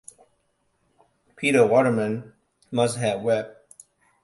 Pete Waterman must have wept.